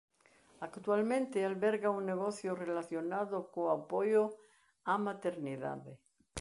Actualmente alberga un negocio relacionado co apoio á maternidade.